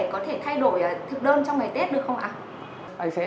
có thể thay đổi thực đơn trong ngày tết được không ạ